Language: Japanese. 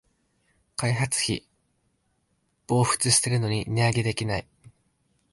開発費暴騰してるのに値上げできない